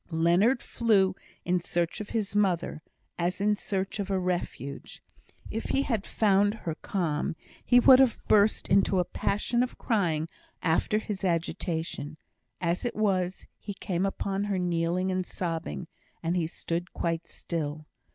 Leonard flew in search of his mother, as in search of a refuge. If he had found her calm, he would have burst into a passion of crying after his agitation; as it was, he came upon her kneeling and sobbing, and he stood quite still.